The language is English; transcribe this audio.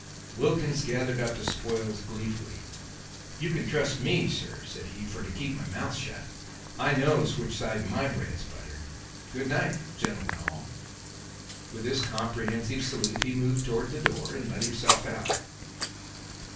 Wilkins gathered up the spoils gleefully. "You can trust me, sir," said he, "for to keep my mouth shut. I knows which side my bread's buttered. Good night, gentlemen all." With this comprehensive salute he moved towards the door and let himself out.